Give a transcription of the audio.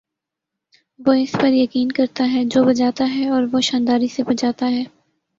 وہ اس پر یقین کرتا ہے جو بجاتا ہے اور وہ شانداری سے بجاتا ہے